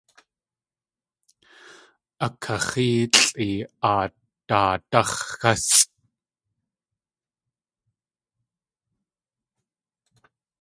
A kax̲éelʼi a daadáx̲ xásʼ!